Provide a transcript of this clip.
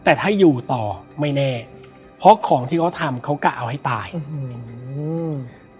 แต่ถ้าอยู่ต่อไม่แน่เพราะของที่เขาทำเขากะเอาให้ตายอืม